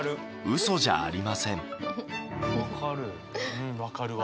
うん分かるわ。